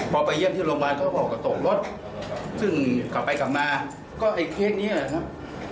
พอไปเยี่ยมที่โรงพยาบาลเขาก็ตกรถซึ่งกลับไปกลับมาก็ไอ้เคสนี้แหละครับ